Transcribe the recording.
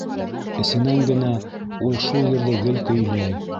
Эсенән генә ул шул йырҙы гел көйләй.